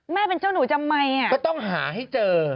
แม่เป็นเจ้าหนูทำไมอ่ะก็ต้องหาให้เจอ